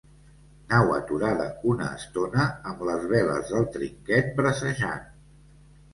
Nau aturada una estona, amb les veles del trinquet bracejant.